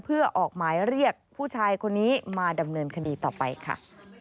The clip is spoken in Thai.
เพื่อออกหมายเรียกผู้ชายคนนี้มาดำเนินคดีต่อไปค่ะ